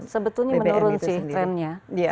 sebetulnya menurun sih trendnya